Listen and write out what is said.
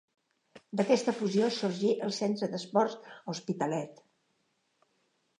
D'aquesta fusió sorgí el Centre d'Esports l'Hospitalet.